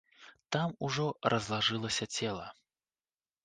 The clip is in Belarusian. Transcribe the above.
Там ужо разлажылася цела.